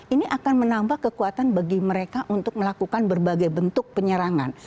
ini akan menambah kekuatan bagi mereka untuk melakukan berbagai bentuk penyerangan